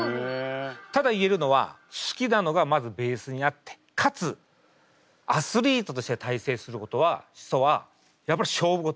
ただ言えるのは好きなのがまずベースにあってかつアスリートとして大成することは基礎はやっぱり勝負事。